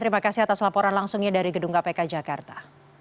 terima kasih atas laporan langsungnya dari gedung kpk jakarta